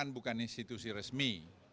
bukan institusi resmi